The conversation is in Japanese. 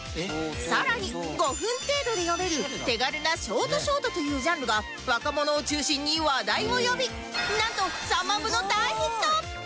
更に５分程度で読める手軽なショートショートというジャンルが若者を中心に話題を呼びなんと３万部の大ヒット！